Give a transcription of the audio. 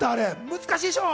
難しいでしょ？